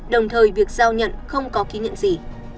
đồng thời việc giao nhận không có ký nhận gì